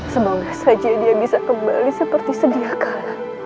semoga saja dia bisa kembali seperti sediakan